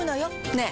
ねえ。